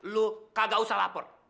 lo kagak usah lapor